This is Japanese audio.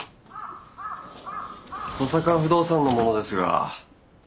登坂不動産の者ですが。